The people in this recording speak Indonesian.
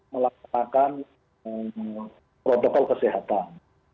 mengadakan protokol kesehatan